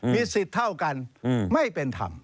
มีสิทธิ์เท่ากันไม่เป็นธรรม